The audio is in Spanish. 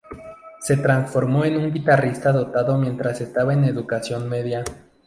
Se transformó en un guitarrista dotado mientras estaba en educación media.